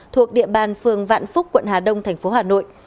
thuộc địa bàn phường vạn phúc quận hà đông tp hà nội